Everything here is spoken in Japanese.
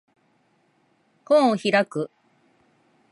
本を開く